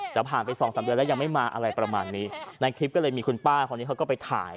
แต่ผ่านไปสองสามเดือนแล้วยังไม่มาอะไรประมาณนี้ในคลิปก็เลยมีคุณป้าคนนี้เขาก็ไปถ่าย